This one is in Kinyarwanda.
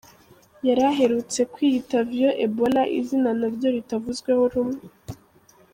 Yari aherutse kwiyita Vieux Ebola izina na ryo ritavuzweho rumwe.